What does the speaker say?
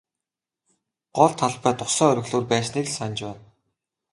Гол талбайд усан оргилуур байсныг л санаж байна.